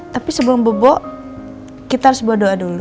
tapi sebelum bobo kita harus buat doa dulu